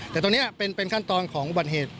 แต่ตอนนี้เป็นขั้นตรงของบรรเหตุ